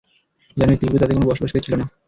যেন ইতিপূর্বে তাতে কোন বসবাসকারী ছিল না।